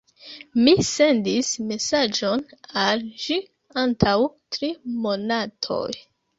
Mi sendis mesaĝon al ĝi antaŭ tri monatoj.